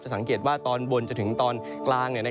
สังเกตว่าตอนบนจนถึงตอนกลาง